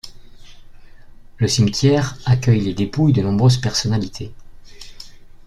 Le cimetière accueille les dépouilles de nombreuses personnalités.